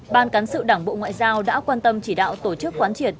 ban cán sự đảng bộ ngoại giao đã quan tâm chỉ đạo tổ chức quán triệt